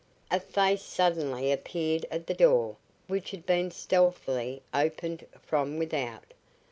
A face suddenly appeared at the door, which had been stealthily opened from without.